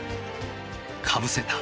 かぶせた。